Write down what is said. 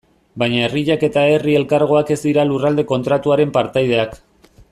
Baina herriak eta herri elkargoak ez dira Lurralde Kontratuaren partaideak.